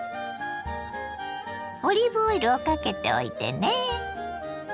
オリーブオイルをかけておいてね。